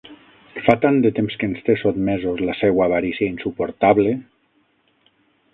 Fa tant de temps que ens té sotmesos la seua avarícia insuportable!